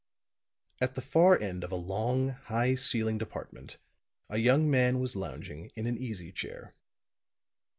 At the far end of a long, high ceilinged apartment a young man was lounging in an easy chair.